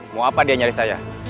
mau apa dia nyari saya